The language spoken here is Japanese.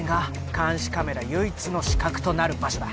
監視カメラ唯一の死角となる場所だ